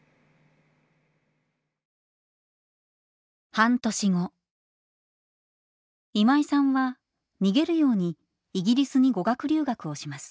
半年後今井さんは逃げるようにイギリスに語学留学をします。